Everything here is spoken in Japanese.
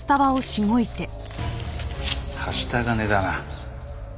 はした金だな。